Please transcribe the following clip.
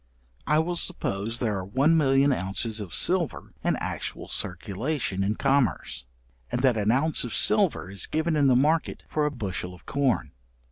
I will suppose there are one million ounces of silver in actual circulation in commerce, and that an ounce of silver is given in the market for a bushel of corn.